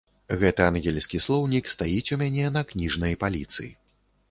Гэты ангельскі слоўнік стаіць у мяне на кніжнай паліцы.